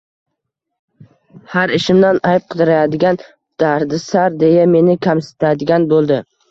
Har ishimdan ayb qidiradigan, dardisar deya meni kamsitadigan bo`ldi